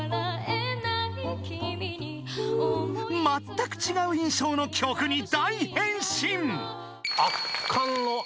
［まったく違う印象の曲に大変身］